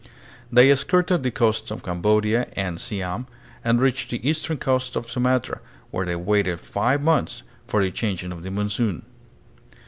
They skirted the coasts of Cambodia and Siam and reached the eastern coasts of Sumatra, where they waited five months for the changing of the monsoon.